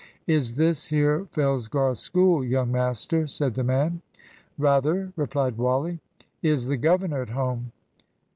"Is this here Fellsgarth School, young master?" said the man. "Rather," replied Wally. "Is the governor at home!"